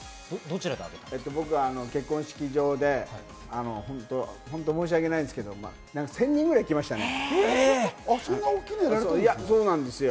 僕は結婚式場で本当申し訳ないんですけど１０００人ぐらい来ましたね。